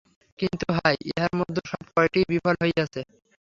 কিন্তু হায়! ইহার মধ্যে সব কয়টিই বিফল হইয়াছে।